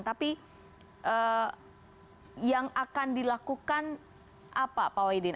tapi yang akan dilakukan apa pak wahidin